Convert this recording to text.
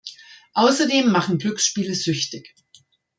Außerdem machen Glücksspiele süchtig.